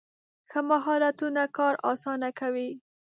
ښه مهارتونه کار اسانه کوي.